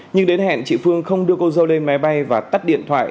nhưng đến hẹn chị phương không đưa cô dâu lên máy bay và tắt điện thoại